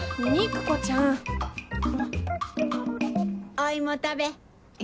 お芋食べ！